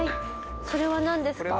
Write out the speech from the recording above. それは何ですか？